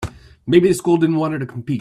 Maybe the school didn't want her to compete.